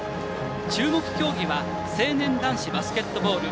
注目競技は成年男子バスケットボール。